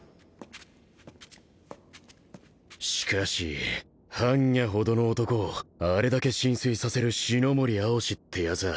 しかし般若ほどの男をあれだけ心酔させる四乃森蒼紫ってやつぁ